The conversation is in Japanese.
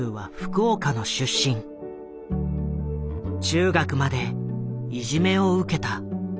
中学までいじめを受けた。